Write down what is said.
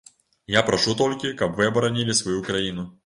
Я прашу толькі, каб вы абаранілі сваю краіну.